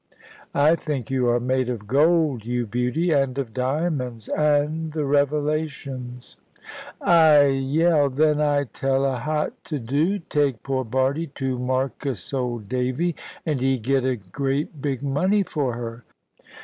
"I think you are made of gold, you beauty; and of diamonds, and the Revelations." "Aye yell! Then I tell 'a hot to do. Take poor Bardie to markiss, old Davy; and 'e get a great big money for her."